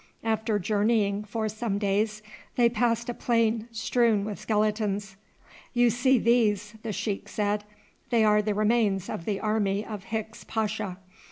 After journeying for some days they passed a plain strewn with skeletons. "You see these," the sheik said; "they are the remains of the army of Hicks Pasha.